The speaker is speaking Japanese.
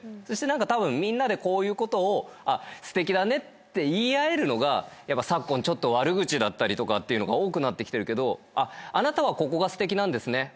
そして何かたぶんみんなでこういうことをあっすてきだねって言い合えるのがやっぱ昨今ちょっと悪口だったりとかっていうのが多くなってきてるけどあなたはここがすてきなんですね